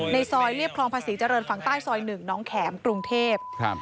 ซอยเรียบคลองภาษีเจริญฝั่งใต้ซอยหนึ่งน้องแข็มกรุงเทพครับ